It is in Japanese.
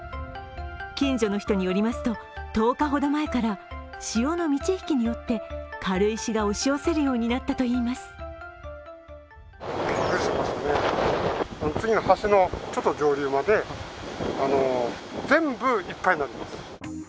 近所の人によりますと１０日ほど前から潮の満ち引きによって軽石が押し寄せるようになったといいます。